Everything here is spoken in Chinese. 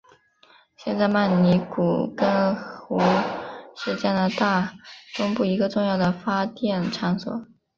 现在曼尼古根湖是加拿大东部一个重要的发电场所。